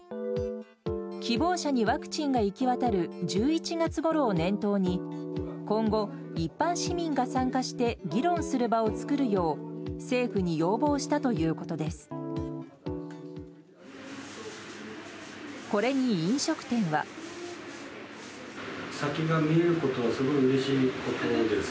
希望者にワクチンが行き渡る１１月ごろを念頭に、今後、一般市民が参加して議論する場を作るよう、政府に要望したということです。